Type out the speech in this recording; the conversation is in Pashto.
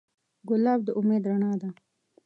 ګلاب د امید رڼا ده.